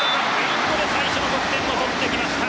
最初の得点を取ってきました。